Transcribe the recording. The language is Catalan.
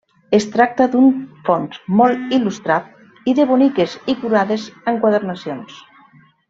Es tracta d'un fons molt il·lustrat i de boniques i curades enquadernacions.